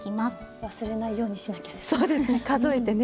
忘れないようにしなきゃですね。